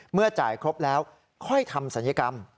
เมื่อจ่ายครบแล้วค่อยทำศัลยกรรม